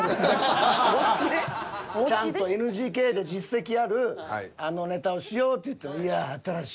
「ちゃんとＮＧＫで実績あるあのネタをしよう」って言っても。